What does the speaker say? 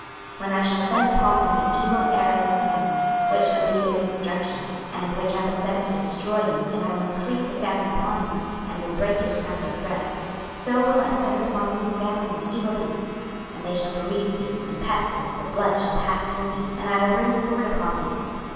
26:005:016 When I shall send upon them the evil arrows of famine, which shall be for their destruction, and which I will send to destroy you: and I will increase the famine upon you, and will break your staff of bread: 26:005:017 So will I send upon you famine and evil beasts, and they shall bereave thee: and pestilence and blood shall pass through thee; and I will bring the sword upon thee.